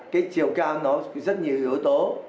cái chiều cao nó rất nhiều yếu tố